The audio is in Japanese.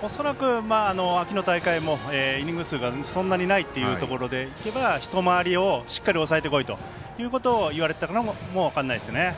恐らく秋の大会もイニング数がそんなにないっていうところでいうと１回り目をしっかり抑えてこいと言われてたのかも分かんないですよね。